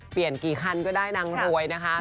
เปลี่ยนกี่คันก็ได้นางรวยนะคะ